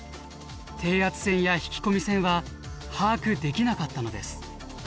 低圧線や引き込み線は把握できなかったのです。